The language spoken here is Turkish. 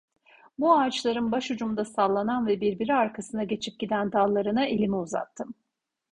Bu ağaçların başucumda sallanan ve birbiri arkasına geçip giden dallarına elimi uzattım.